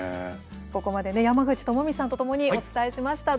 ここまで、山口智充さんとともにお伝えしました。